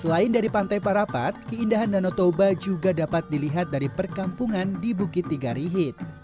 selain dari pantai parapat keindahan danau toba juga dapat dilihat dari perkampungan di bukit tiga rihit